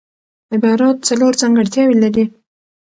عبارت څلور ځانګړتیاوي لري.